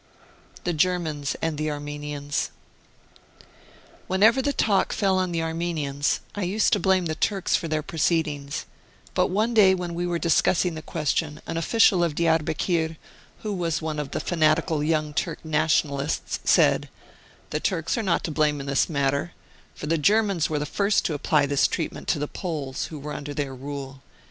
THE GERMANS AND THE ARMENIANS. Whenever the talk fell on the Armenians I used to blame the Turks for their proceedings, but one day when we were discussing the question, an official of Diarbekir, who was one of the fanatical Young Turk National ists, said :' The Turks are not to blame in this matter, for the Germans were the first to apply this treatment to the Poles, who were under their rule.